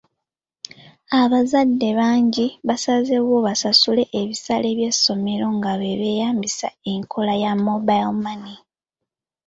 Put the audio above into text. Abazadde bangi basazeewo basasule ebisale by'essomero nga beeyambisa enkola ya mobile money.